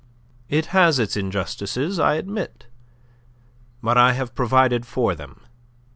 "It has its injustices, I admit. But I have provided for them.